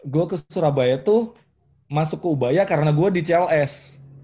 gue ke surabaya tuh masuk ke ubaya karena gue di cls